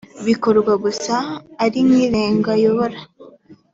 bikorwa gusa ari nk irengayobora